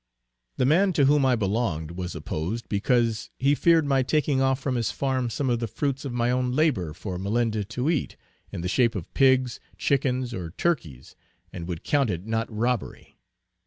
The man to whom I belonged was opposed, because he feared my taking off from his farm some of the fruits of my own labor for Malinda to eat, in the shape of pigs, chickens, or turkeys, and would count it not robbery.